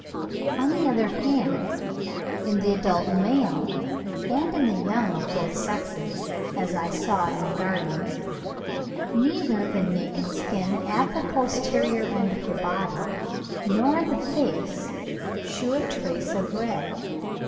On the other hand, in the adult male and in the young of both sexes (as I saw in the Gardens), neither the naked skin at the posterior end of the body, nor the face, shew a trace of red.